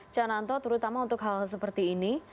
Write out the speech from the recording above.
cananto terutama untuk hal hal seperti ini